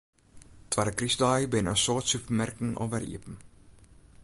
Twadde krystdei binne in soad supermerken alwer iepen.